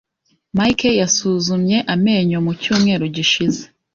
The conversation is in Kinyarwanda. Mike yasuzumye amenyo mu cyumweru gishize.